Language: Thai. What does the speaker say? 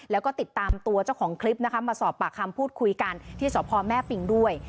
แล้วก็ติดตามตัวเจ้าของคลิปนะคะมาสอบปากคำพูดคุยกันที่สพแม่ปิงด้วย